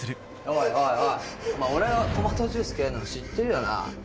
お前俺がトマトジュース嫌いなの知ってるよな？